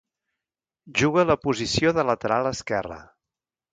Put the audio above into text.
Juga a la posició de lateral esquerre.